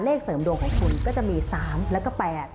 เสริมดวงของคุณก็จะมี๓แล้วก็๘